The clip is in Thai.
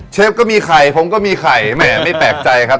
เชฟก็มีไข่ผมก็มีไข่แหมไม่แปลกใจครับ